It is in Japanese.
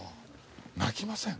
泣きません？